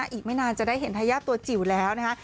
อีกไม่นานจะได้เห็นทายาทตัวจิ๋วแล้วนะคะ